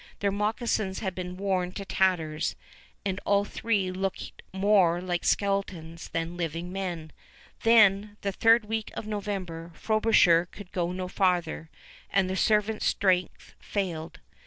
Their moccasins had been worn to tatters, and all three looked more like skeletons than living men. Then, the third week of November, Frobisher could go no farther, and the servants' strength failed.